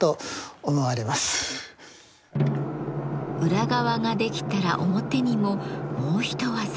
裏側が出来たら表にももう一技。